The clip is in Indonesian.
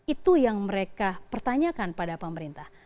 itu yang mereka pertanyakan pada pemerintah